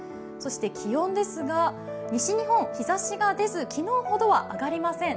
気温ですが、西日本、日ざしが出ず昨日ほどは上がりません。